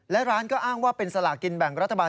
และร้านก็อ้างว่าเป็นสลากินแบ่งรัฐบาล